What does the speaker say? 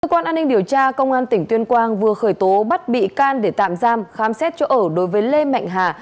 cơ quan an ninh điều tra công an tỉnh tuyên quang vừa khởi tố bắt bị can để tạm giam khám xét chỗ ở đối với lê mạnh hà